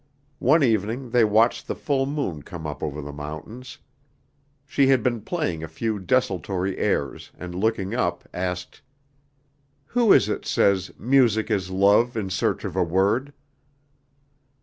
One evening they watched the full moon come up over the mountains. She had been playing a few desultory airs, and looking up asked, "Who is it says 'music is love in search of a word'?"